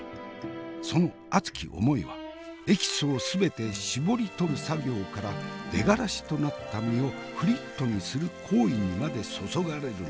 その熱き思いはエキスを全て搾り取る作業から出がらしとなった身をフリットにする行為にまで注がれるのだ。